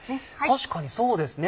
確かにそうですね